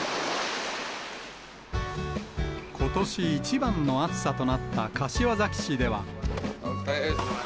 ことし一番の暑さとなった柏崎市では。